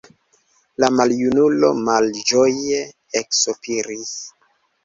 La maljunulo malĝoje eksopiris.